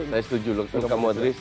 saya setuju luka modric